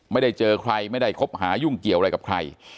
ไม่ได้เจอใครไม่ได้คบหายุ่งเกี่ยวอะไรกับใคร